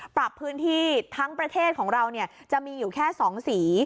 ปรับพื้นที่ทั้งประเทศของเราจะมีอยู่แค่๒สี